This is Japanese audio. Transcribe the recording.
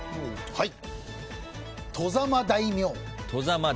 はい。